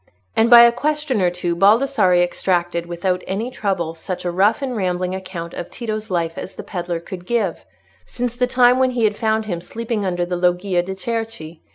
And by a question or two Baldassarre extracted, without any trouble, such a rough and rambling account of Tito's life as the pedlar could give, since the time when he had found him sleeping under the Loggia de' Cerchi.